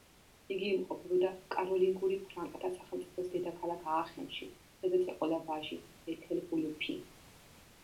იგი იმყოფებოდა კაროლინგური ფრანკთა სახელმწიფოს დედაქალაქ აახენში, სადაც ეყოლა ვაჟი ეთელვულფი.